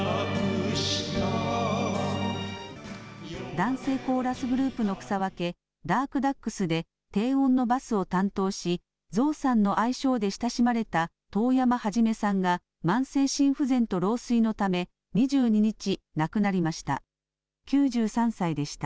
男声コーラスグループの草分け、ダークダックスで低音のバスを担当し、ゾウさんの愛称で親しまれた遠山一さんが慢性心不全と老衰のため２２日、亡くなりました。